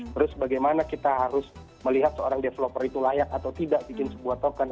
terus bagaimana kita harus melihat seorang developer itu layak atau tidak bikin sebuah token